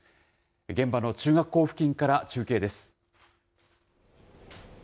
現場の中学校付近から中継です。